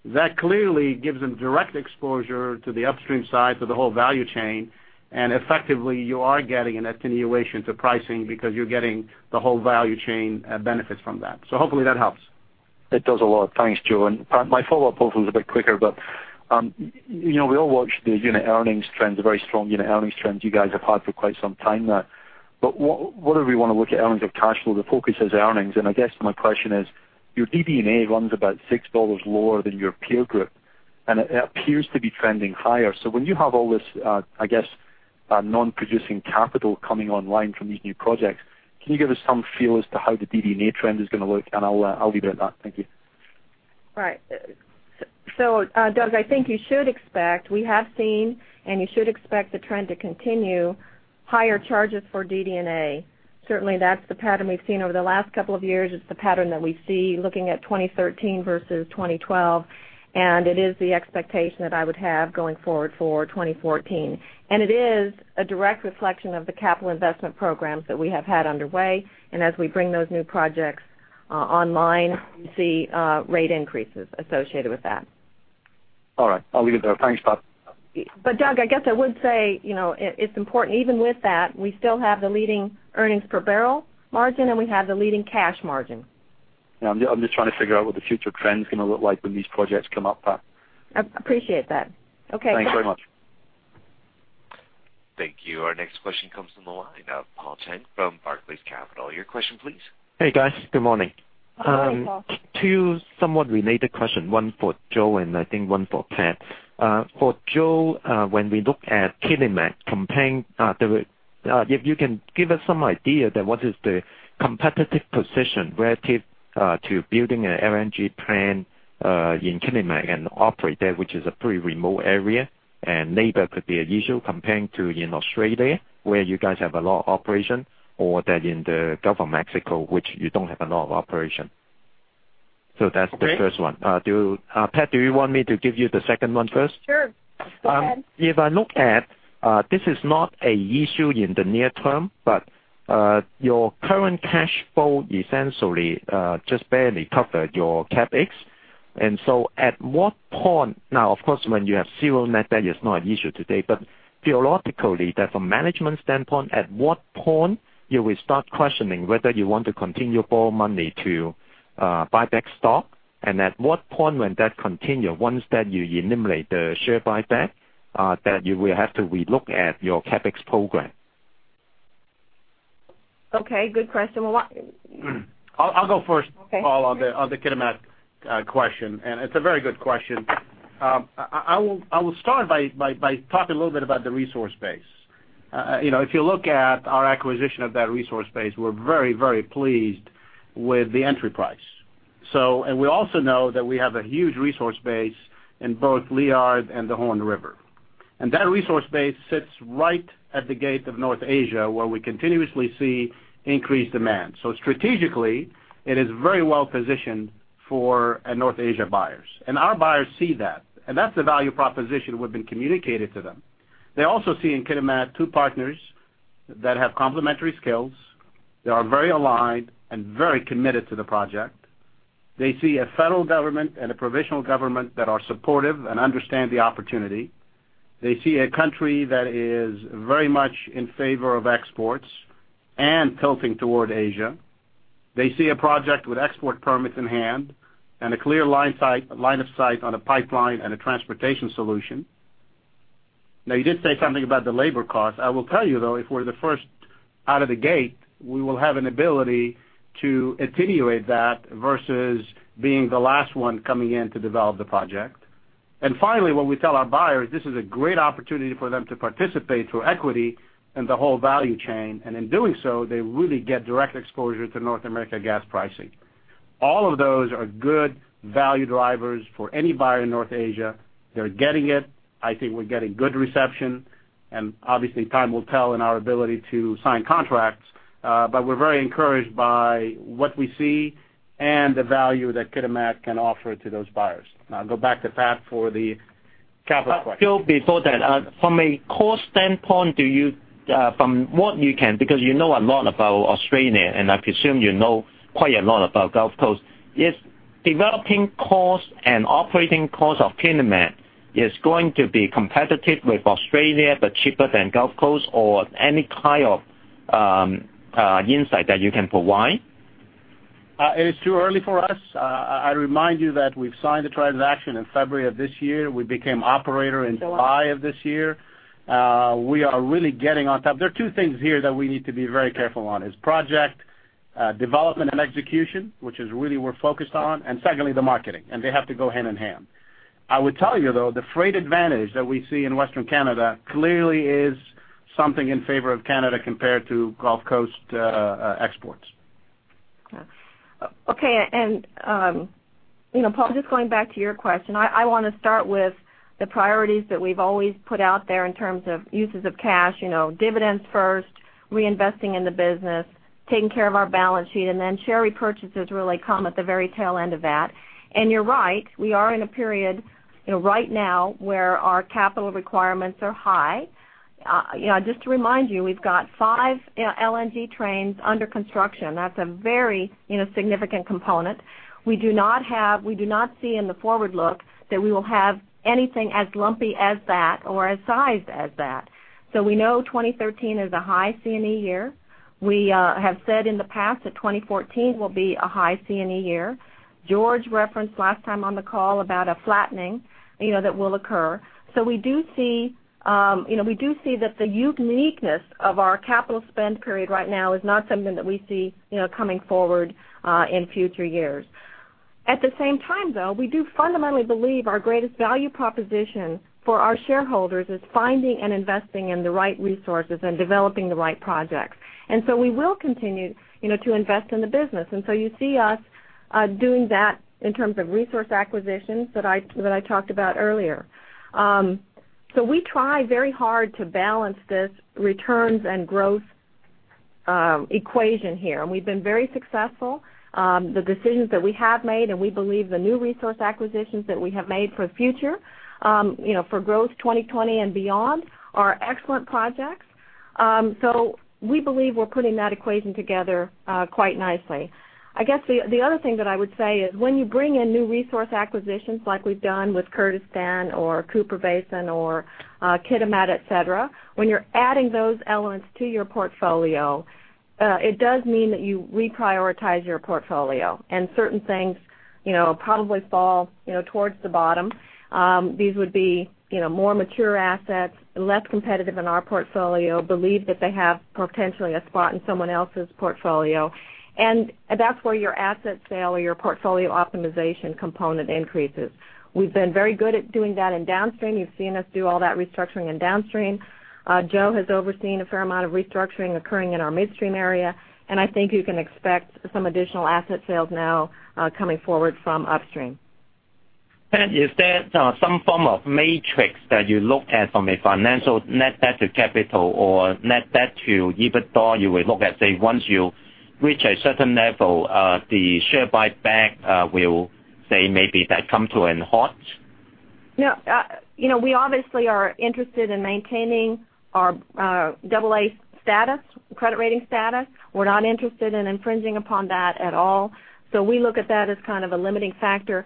That clearly gives them direct exposure to the upstream side for the whole value chain, and effectively, you are getting an attenuation to pricing because you're getting the whole value chain benefits from that. Hopefully that helps. It does a lot. Thanks, Joe, my follow-up was a bit quicker, but we all watch the unit earnings trends, the very strong unit earnings trends you guys have had for quite some time now. Whether we want to look at earnings or cash flow, the focus is earnings. I guess my question is, your DD&A runs about $6 lower than your peer group, and it appears to be trending higher. When you have all this non-producing capital coming online from these new projects, can you give us some feel as to how the DD&A trend is going to look? I'll leave it at that. Thank you. Right. Doug, I think you should expect, we have seen, and you should expect the trend to continue, higher charges for DD&A. Certainly, that's the pattern we've seen over the last couple of years. It's the pattern that we see looking at 2013 versus 2012, and it is the expectation that I would have going forward for 2014. It is a direct reflection of the capital investment programs that we have had underway, and as we bring those new projects online, we see rate increases associated with that. All right. I'll leave it there. Thanks, Pat. Doug, I guess I would say, it's important even with that, we still have the leading earnings per barrel margin, and we have the leading cash margin. Yeah, I'm just trying to figure what the future trend's going to look like when these projects come up, Pat. I appreciate that. Okay. Thanks very much. Thank you. Our next question comes from the line of Paul Cheng from Barclays Capital. Your question, please. Hey, guys. Good morning. Good morning, Paul. Two somewhat related questions, one for Joe and I think one for Pat. For Joe, when we look at Kitimat comparing, if you can give us some idea that what is the competitive position relative to building an LNG plant in Kitimat and operate there, which is a pretty remote area, and labor could be an issue comparing to in Australia, where you guys have a lot of operation, or that in the Gulf of Mexico, which you don't have a lot of operation. That's the first one. Okay. Pat, do you want me to give you the second one first? Sure. Go ahead. If I look at, this is not an issue in the near term, but your current cash flow essentially just barely covered your CapEx. At what point, now of course, when you have zero net debt, it's not an issue today, but theoretically, that from management standpoint, at what point you will start questioning whether you want to continue to borrow money to buy back stock? At what point when that continue, once that you eliminate the share buyback, that you will have to re-look at your CapEx program? Okay. Good question. I'll go first. Okay. Paul, on the Kitimat question, it's a very good question. I will start by talking a little bit about the resource base. If you look at our acquisition of that resource base, we're very, very pleased with the entry price. We also know that we have a huge resource base in both Liard and the Horn River. That resource base sits right at the gate of North Asia, where we continuously see increased demand. Strategically, it is very well positioned for North Asia buyers. Our buyers see that, and that's the value proposition we've been communicating to them. They also see in Kitimat two partners that have complementary skills, that are very aligned and very committed to the project. They see a federal government and a provincial government that are supportive and understand the opportunity. They see a country that is very much in favor of exports and tilting toward Asia. They see a project with export permits in hand and a clear line of sight on a pipeline and a transportation solution. You did say something about the labor cost. I will tell you, though, if we're the first out of the gate, we will have an ability to attenuate that versus being the last one coming in to develop the project. Finally, what we tell our buyers, this is a great opportunity for them to participate through equity in the whole value chain. In doing so, they really get direct exposure to North America gas pricing. All of those are good value drivers for any buyer in North Asia. They're getting it. I think we're getting good reception, and obviously time will tell in our ability to sign contracts, but we're very encouraged by what we see and the value that Kitimat can offer to those buyers. Now I'll go back to Pat for the Capital question. Still before that, from a cost standpoint, from what you can, because you know a lot about Australia, and I presume you know quite a lot about Gulf Coast. Is developing costs and operating costs of Kitimat is going to be competitive with Australia, but cheaper than Gulf Coast or any kind of insight that you can provide? It is too early for us. I remind you that we've signed the transaction in February of this year. We became operator in July of this year. We are really getting on top. There are two things here that we need to be very careful on, is project development and execution, which is really we're focused on, and secondly, the marketing, and they have to go hand in hand. I would tell you, though, the freight advantage that we see in Western Canada clearly is something in favor of Canada compared to Gulf Coast exports. Okay. Paul, just going back to your question, I want to start with the priorities that we've always put out there in terms of uses of cash, dividends first, reinvesting in the business, taking care of our balance sheet, and then share repurchases really come at the very tail end of that. You're right, we are in a period right now where our capital requirements are high. Just to remind you, we've got five LNG trains under construction. That's a very significant component. We do not see in the forward look that we will have anything as lumpy as that or as sized as that. We know 2013 is a high C&E year. We have said in the past that 2014 will be a high C&E year. George referenced last time on the call about a flattening that will occur. We do see that the uniqueness of our capital spend period right now is not something that we see coming forward in future years. At the same time, though, we do fundamentally believe our greatest value proposition for our shareholders is finding and investing in the right resources and developing the right projects. We will continue to invest in the business. You see us doing that in terms of resource acquisitions that I talked about earlier. We try very hard to balance this returns and growth equation here, and we've been very successful. The decisions that we have made, and we believe the new resource acquisitions that we have made for the future for Growth 2020 and beyond, are excellent projects. We believe we're putting that equation together quite nicely. I guess the other thing that I would say is when you bring in new resource acquisitions like we've done with Kurdistan or Cooper Basin or Kitimat, et cetera, when you're adding those elements to your portfolio, it does mean that you reprioritize your portfolio, and certain things probably fall towards the bottom. These would be more mature assets, less competitive in our portfolio, believe that they have potentially a spot in someone else's portfolio. That's where your asset sale or your portfolio optimization component increases. We've been very good at doing that in downstream. You've seen us do all that restructuring in downstream. Joe has overseen a fair amount of restructuring occurring in our midstream area, and I think you can expect some additional asset sales now coming forward from upstream. Pat, is there some form of matrix that you look at from a financial net debt to capital or net debt to EBITDA, you will look at, say, once you reach a certain level, the share buyback will say maybe that comes to an halt? We obviously are interested in maintaining our double A status, credit rating status. We're not interested in infringing upon that at all. We look at that as kind of a limiting factor.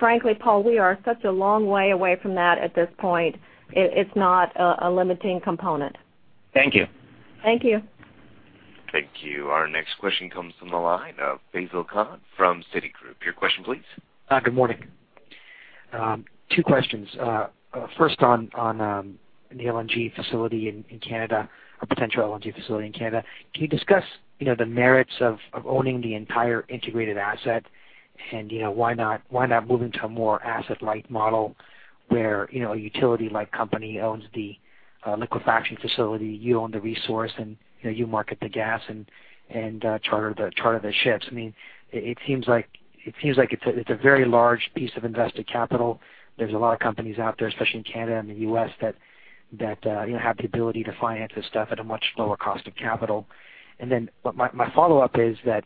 Frankly, Paul, we are such a long way away from that at this point. It's not a limiting component. Thank you. Thank you. Thank you. Our next question comes from the line of Faisel Khan from Citigroup. Your question, please. Good morning. Two questions. First on the LNG facility in Canada, or potential LNG facility in Canada. Can you discuss the merits of owning the entire integrated asset, and why not moving to a more asset-light model where a utility company owns the liquefaction facility, you own the resource, and you market the gas and charter the ships? It seems like it's a very large piece of invested capital. There's a lot of companies out there, especially in Canada and the U.S., that have the ability to finance this stuff at a much lower cost of capital. My follow-up is that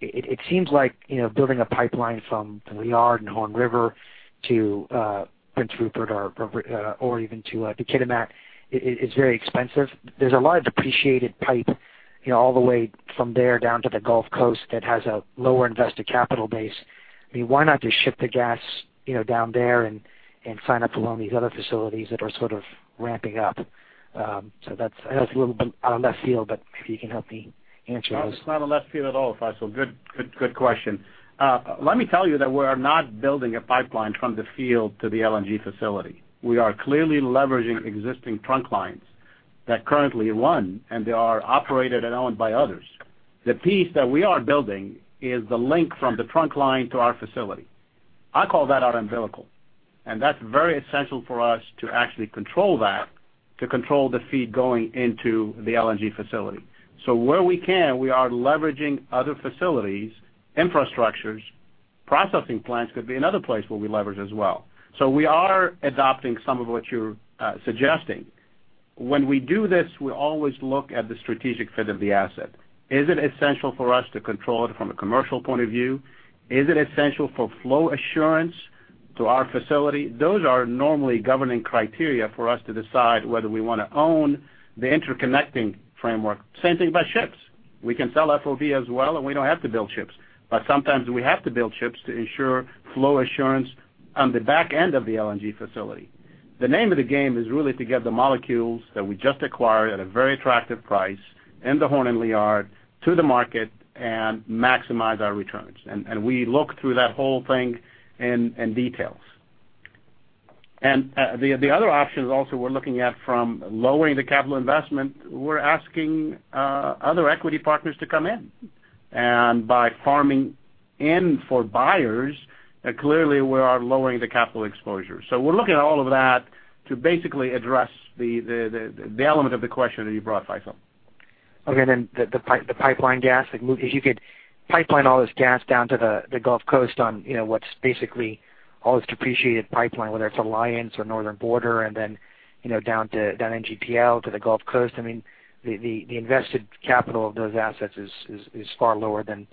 it seems like building a pipeline from Liard and Horn River to Prince Rupert or even to the Kitimat is very expensive. There's a lot of depreciated pipe all the way from there down to the Gulf Coast that has a lower invested capital base. Why not just ship the gas down there and sign up along these other facilities that are sort of ramping up? That's a little bit out of left field, but if you can help me answer those. It's not a left field at all, Faisel. Good question. Let me tell you that we are not building a pipeline from the field to the LNG facility. We are clearly leveraging existing trunk lines that currently run, and they are operated and owned by others. The piece that we are building is the link from the trunk line to our facility. I call that our umbilical, and that's very essential for us to actually control that, to control the feed going into the LNG facility. Where we can, we are leveraging other facilities, infrastructures. Processing plants could be another place where we leverage as well. We are adopting some of what you're suggesting. When we do this, we always look at the strategic fit of the asset. Is it essential for us to control it from a commercial point of view? Is it essential for flow assurance to our facility? Those are normally governing criteria for us to decide whether we want to own the interconnecting framework. Same thing by ships. We can sell FOB as well, and we don't have to build ships. Sometimes we have to build ships to ensure flow assurance on the back end of the LNG facility. The name of the game is really to get the molecules that we just acquired at a very attractive price in the Horn and Liard to the market and maximize our returns. We look through that whole thing in details. The other options also we're looking at from lowering the capital investment, we're asking other equity partners to come in. By farming in for buyers, clearly we are lowering the capital exposure. We're looking at all of that to basically address the element of the question that you brought up, Faisel. The pipeline gas, if you could pipeline all this gas down to the Gulf Coast on what's basically all this depreciated pipeline, whether it's Alliance or Northern Border, and then down NGPL to the Gulf Coast. The invested capital of those assets is far lower than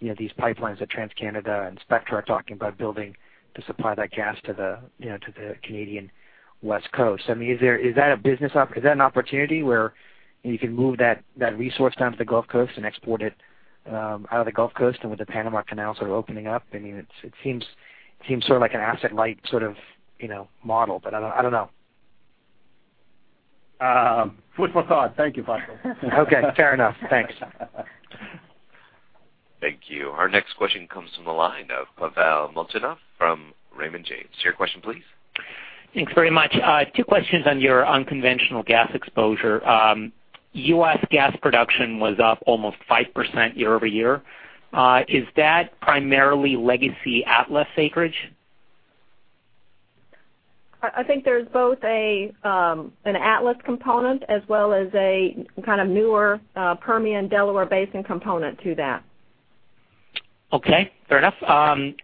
these pipelines that TransCanada and Spectra are talking about building to supply that gas to the Canadian West Coast. Is that an opportunity where you can move that resource down to the Gulf Coast and export it out of the Gulf Coast and with the Panama Canal sort of opening up? It seems sort of like an asset-light sort of model, but I don't know. Food for thought. Thank you, Faisel. Fair enough. Thanks. Thank you. Our next question comes from the line of Pavel Molchanov from Raymond James. Your question please. Thanks very much. Two questions on your unconventional gas exposure. U.S. gas production was up almost 5% year-over-year. Is that primarily legacy Atlas acreage? I think there's both an Atlas component as well as a kind of newer Permian Delaware Basin component to that. Okay, fair enough. On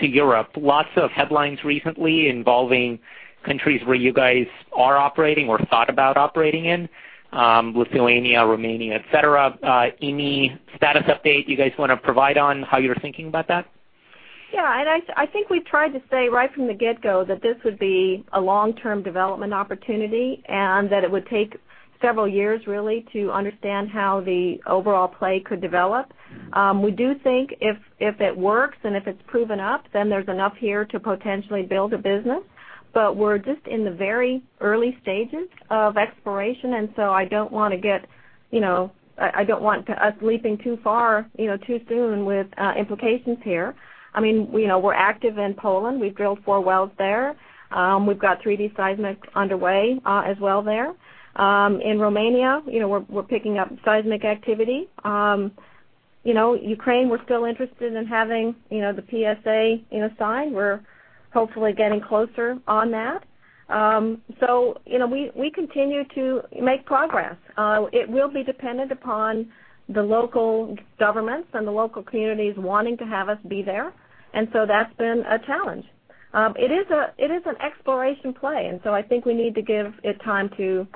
to Europe, lots of headlines recently involving countries where you guys are operating or thought about operating in, Lithuania, Romania, et cetera. Any status update you guys want to provide on how you're thinking about that? I think we tried to say right from the get-go that this would be a long-term development opportunity. It would take several years really to understand how the overall play could develop. We do think if it works and if it's proven up, then there's enough here to potentially build a business. We're just in the very early stages of exploration, I don't want us leaping too far, too soon with implications here. We're active in Poland. We've drilled four wells there. We've got 3D seismic underway as well there. In Romania, we're picking up seismic activity. Ukraine, we're still interested in having the PSA signed. We're hopefully getting closer on that. We continue to make progress. It will be dependent upon the local governments and the local communities wanting to have us be there, that's been a challenge. It is an exploration play, I think we need to give it time to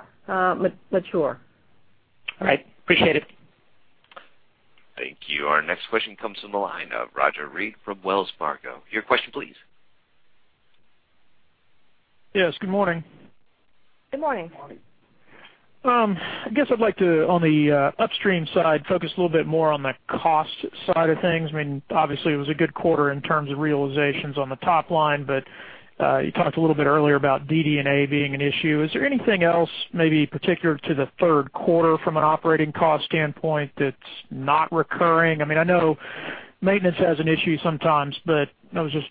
mature. All right. Appreciate it. Thank you. Our next question comes from the line of Roger Read from Wells Fargo. Your question please. Yes, good morning. Good morning. I guess I'd like to, on the upstream side, focus a little bit more on the cost side of things. Obviously it was a good quarter in terms of realizations on the top line, but you talked a little bit earlier about DD&A being an issue. Is there anything else maybe particular to the third quarter from an operating cost standpoint that's not recurring? I know maintenance is an issue sometimes, but I was just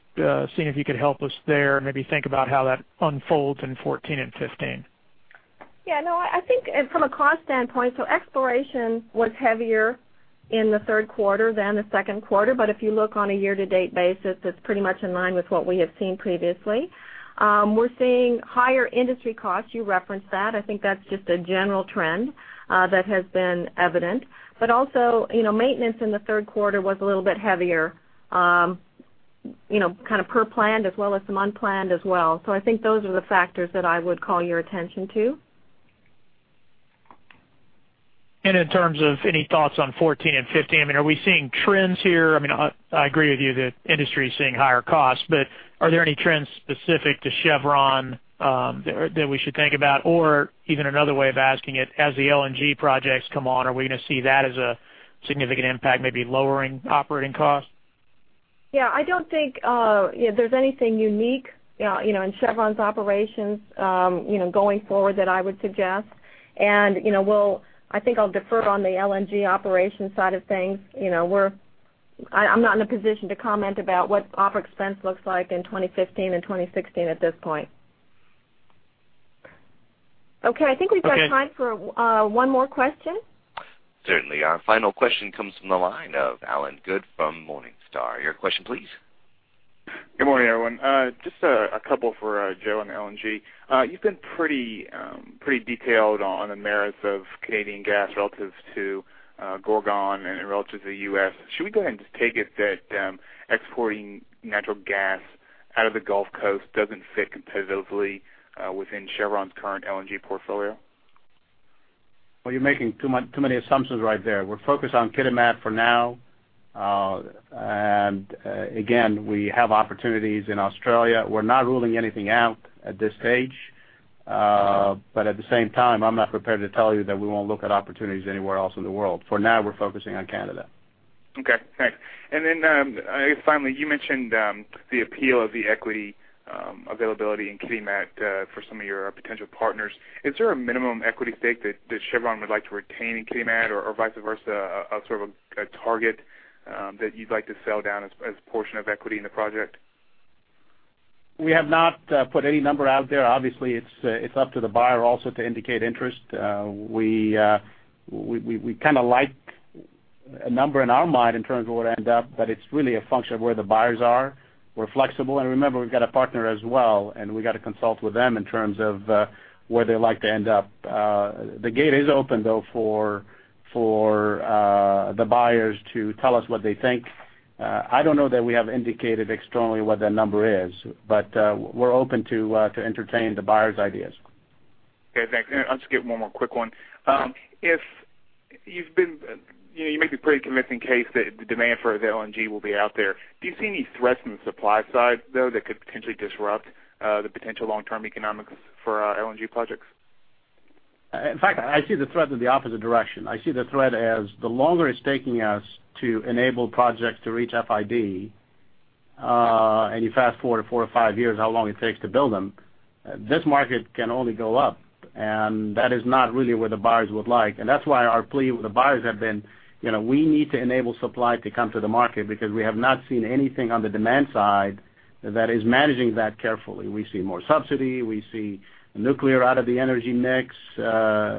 seeing if you could help us there and maybe think about how that unfolds in 2014 and 2015. Yeah, no, I think from a cost standpoint, Exploration was heavier in the third quarter than the second quarter. If you look on a year-to-date basis, it's pretty much in line with what we have seen previously. We're seeing higher industry costs. You referenced that. I think that's just a general trend that has been evident. Also, maintenance in the third quarter was a little bit heavier, kind of per planned as well as some unplanned as well. I think those are the factors that I would call your attention to. In terms of any thoughts on 2014 and 2015, are we seeing trends here? I agree with you that industry is seeing higher costs. Are there any trends specific to Chevron that we should think about? Even another way of asking it, as the LNG projects come on, are we going to see that as a significant impact, maybe lowering operating costs? Yeah, I don't think there's anything unique in Chevron's operations going forward that I would suggest. I think I'll defer on the LNG operation side of things. I'm not in a position to comment about what operating expense looks like in 2015 and 2016 at this point. Okay, I think we've got time for one more question. Certainly. Our final question comes from the line of Allen Good from Morningstar. Your question please. Good morning, everyone. Just a couple for Joe on LNG. You've been pretty detailed on the merits of Canadian gas relative to Gorgon and relative to the U.S. Should we go ahead and just take it that exporting natural gas out of the Gulf Coast doesn't fit competitively within Chevron's current LNG portfolio? You're making too many assumptions right there. We're focused on Kitimat for now. Again, we have opportunities in Australia. We're not ruling anything out at this stage. Okay. At the same time, I'm not prepared to tell you that we won't look at opportunities anywhere else in the world. For now, we're focusing on Canada. Okay, thanks. Finally, you mentioned the appeal of the equity availability in Kitimat for some of your potential partners. Is there a minimum equity stake that Chevron would like to retain in Kitimat or vice versa, a sort of a target that you'd like to sell down as portion of equity in the project? We have not put any number out there. Obviously, it's up to the buyer also to indicate interest. We kind of like a number in our mind in terms of where it end up, it's really a function of where the buyers are. We're flexible, remember, we've got a partner as well, we got to consult with them in terms of where they like to end up. The gate is open, though, for the buyers to tell us what they think. I don't know that we have indicated externally what that number is, we're open to entertain the buyers' ideas. Okay, thanks. I'll just give one more quick one. You make a pretty convincing case that the demand for the LNG will be out there. Do you see any threats on the supply side, though, that could potentially disrupt the potential long-term economics for LNG projects? In fact, I see the threat in the opposite direction. I see the threat as the longer it's taking us to enable projects to reach FID, and you fast-forward four to five years how long it takes to build them, this market can only go up, and that is not really where the buyers would like. That's why our plea with the buyers have been, we need to enable supply to come to the market because we have not seen anything on the demand side that is managing that carefully. We see more subsidy. We see nuclear out of the energy mix.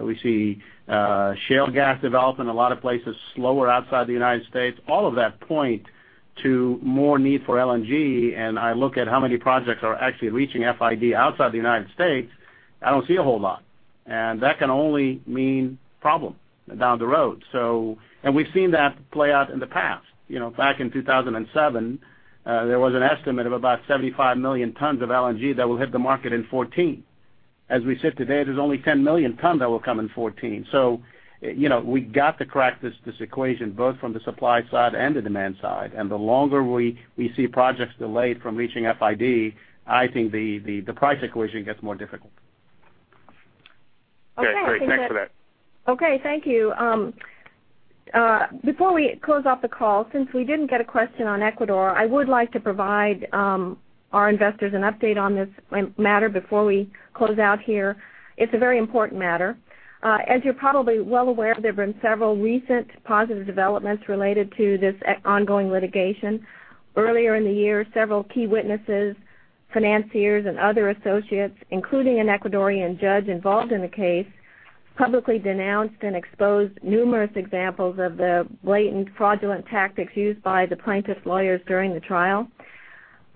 We see shale gas development, a lot of places slower outside the U.S. All of that point to more need for LNG. I look at how many projects are actually reaching FID outside the U.S. I don't see a whole lot. That can only mean problem down the road. We've seen that play out in the past. Back in 2007, there was an estimate of about 75 million tons of LNG that will hit the market in 2014. As we sit today, there's only 10 million ton that will come in 2014. We got to crack this equation, both from the supply side and the demand side. The longer we see projects delayed from reaching FID, I think the price equation gets more difficult. Okay, great. Thanks for that. Okay, thank you. Before we close off the call, since we didn't get a question on Ecuador, I would like to provide our investors an update on this matter before we close out here. It's a very important matter. As you're probably well aware, there have been several recent positive developments related to this ongoing litigation. Earlier in the year, several key witnesses, financiers, and other associates, including an Ecuadorian judge involved in the case, publicly denounced and exposed numerous examples of the blatant fraudulent tactics used by the plaintiff's lawyers during the trial.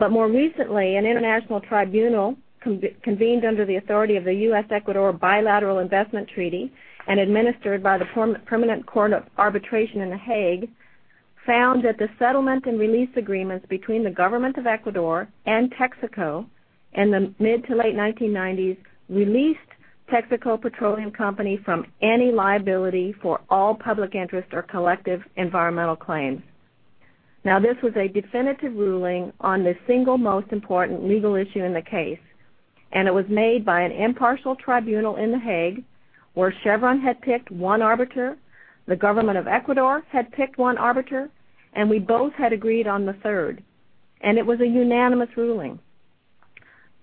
More recently, an international tribunal convened under the authority of the U.S.-Ecuador bilateral investment treaty and administered by the Permanent Court of Arbitration in The Hague, found that the settlement and release agreements between the government of Ecuador and Texaco in the mid to late 1990s released Texaco Petroleum Company from any liability for all public interest or collective environmental claims. This was a definitive ruling on the single most important legal issue in the case, and it was made by an impartial tribunal in The Hague, where Chevron had picked one arbiter, the government of Ecuador had picked one arbiter, and we both had agreed on the third, and it was a unanimous ruling.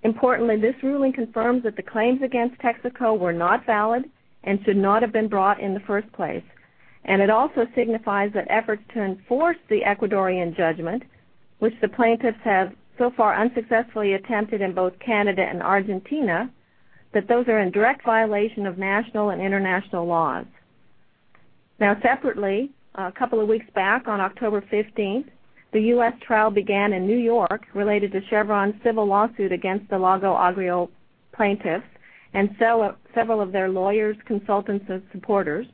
Importantly, this ruling confirms that the claims against Texaco were not valid and should not have been brought in the first place. It also signifies that efforts to enforce the Ecuadorian judgment, which the plaintiffs have so far unsuccessfully attempted in both Canada and Argentina, that those are in direct violation of national and international laws. Separately, a couple of weeks back on October 15th, the U.S. trial began in New York related to Chevron's civil lawsuit against the Lago Agrio plaintiffs and several of their lawyers, consultants, and supporters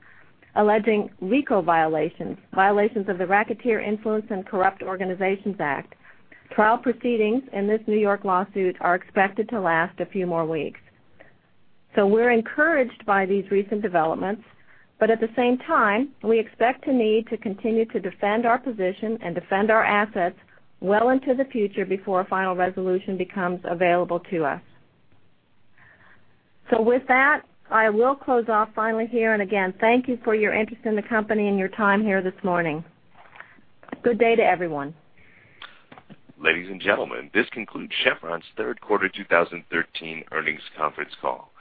alleging RICO violations of the Racketeer Influenced and Corrupt Organizations Act. Trial proceedings in this New York lawsuit are expected to last a few more weeks. We're encouraged by these recent developments, but at the same time, we expect to need to continue to defend our position and defend our assets well into the future before a final resolution becomes available to us. With that, I will close off finally here. Again, thank you for your interest in the company and your time here this morning. Good day to everyone. Ladies and gentlemen, this concludes Chevron's third quarter 2013 earnings conference call.